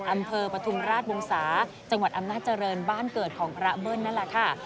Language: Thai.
ปฐุมราชวงศาจังหวัดอำนาจเจริญบ้านเกิดของพระเบิ้ลนั่นแหละค่ะ